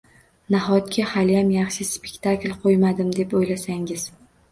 — Nahotki, haliyam yaxshi spektakl qo‘ymadim, deb o‘ylasangiz?